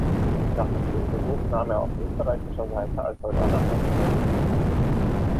Nach dem Schulbesuch nahm er auf österreichischer Seite als Soldat am Ersten Weltkrieg teil.